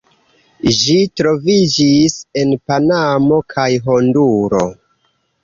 Ĝi troviĝis en Panamo kaj Honduro.